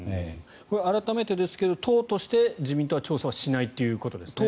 改めてですが、党として自民党は調査しないということですね。